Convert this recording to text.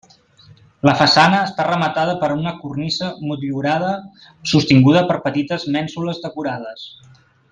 La façana està rematada per una cornisa motllurada sostinguda per petites mènsules decorades.